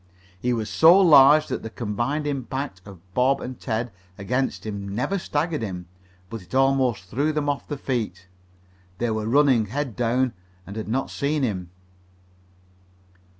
He was so large that the combined impact of Bob and Ted against him never staggered him, but it almost threw them off their feet. They were running, head down, and had not seen him.